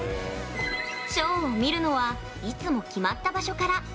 ショーを見るのはいつも決まった場所から。